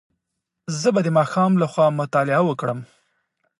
زه به د ماښام له خوا مطالعه وکړم.